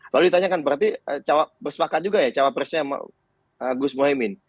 lalu ditanyakan berarti bersepakat juga ya capresnya gus mohimin